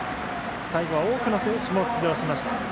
最後は多くの選手が出場しました。